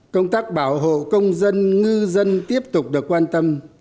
công tác bảo hộ công dân ngư dân tiếp tục được quan tâm